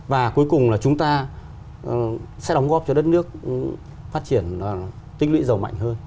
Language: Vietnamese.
và cuối cùng là chúng ta sẽ đóng góp cho đất nước phát triển tích lũy giàu mạnh hơn